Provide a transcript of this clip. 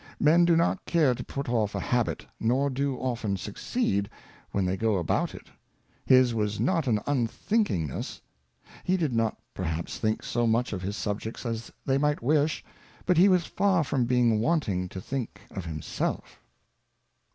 Men do not care to put off a Habit, nor do often succeed when they go about it. His was not an unthink ingness ; he did not perhaps think so much of his Subjects as they might wish ; but he was far from being wanting to think of himself.